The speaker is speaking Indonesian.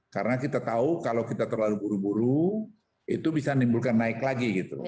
karena kita tahu kalau kita terlalu buru buru itu bisa menimbulkan naik lagi gitu